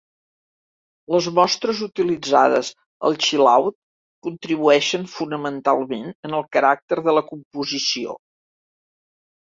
Les mostres utilitzades a "Chill Out" contribueixen fonamentalment en el caràcter de la composició.